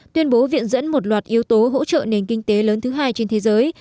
tuyên bố viện dẫn một loạt yếu tố hỗ trợ nền kinh tế lớn thứ hai trên thế giới